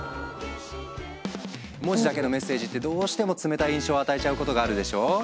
文字だけのメッセージってどうしても冷たい印象を与えちゃうことがあるでしょ？